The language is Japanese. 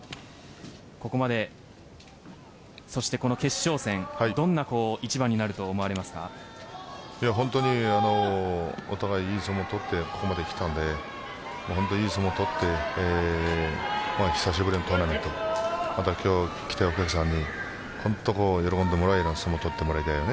ここまで、そしてこの決勝戦どんな一番になると本当にお互いいい相撲を取ってここまできたので本当に、いい相撲を取って久しぶりのトーナメント今日来たお客さんに喜んでもらえるような相撲を取ってもらいたい。